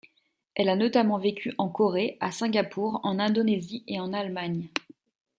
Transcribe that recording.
Elle a notamment vécu en Corée, à Singapour, en Indonésie et en Allemagne.